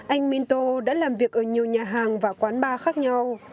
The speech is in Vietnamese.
anh minto đã làm việc ở nhiều nhà hàng và quán bar khác nhau